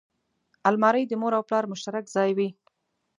الماري د مور او پلار مشترک ځای وي